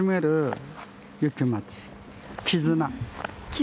絆。